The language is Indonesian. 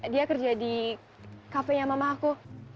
dia kerja di cafe nya mama aku